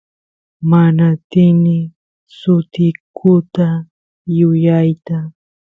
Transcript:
mana atini sutikuta yuyayta